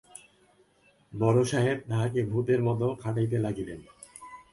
বড়োসাহেব তাহাকে ভুতের মতো খাটাইতে লাগিলেন।